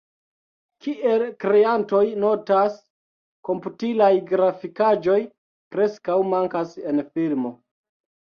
Kiel kreantoj notas, komputilaj grafikaĵoj preskaŭ mankas en filmo.